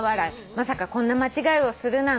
「まさかこんな間違いをするなんて」